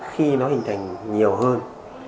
khi nó hình thành nhiều hơn